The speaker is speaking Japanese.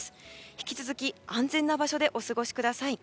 引き続き安全な場所でお過ごしください。